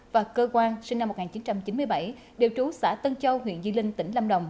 và cơ quan sinh năm một nghìn chín trăm chín mươi bảy đều trú xã tân châu huyện di linh tỉnh lâm đồng